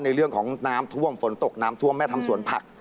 เรื่องของน้ำท่วมฝนตกน้ำท่วมแม่ทำสวนผัก